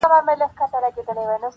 له هر چا نه اول په خپل ځان باور ولره,